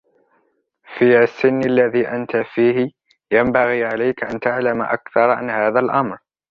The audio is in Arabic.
في السن الذي أنت فيه ينبغي عليك أن تعلم أكثر عن هذا الأمر.